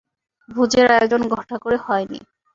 ভোজের আয়োজন ঘটা করে হয় নি।